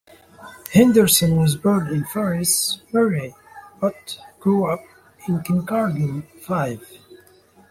Henderson was born in Forres, Moray, but grew up in Kincardine, Fife.